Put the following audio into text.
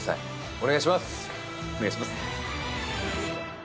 お願いします。